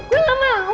gue gak mau